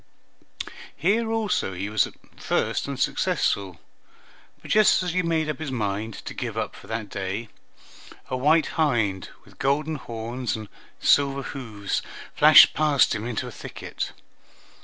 Here also he was at first unsuccessful, but just as he had made up his mind to give up for that day, a white hind with golden horns and silver hoofs flashed past him into a thicket.